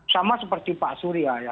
sama seperti pak surya ya